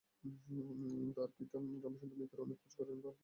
তাহার পিতা রামসুন্দর মিত্র অনেক খোঁজ করেন কিন্তু পাত্র কিছুতেই মনের মতন হয় না।